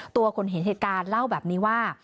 ตัวคนเห็นเหตุการณ์เล่าแบบนี้ว่า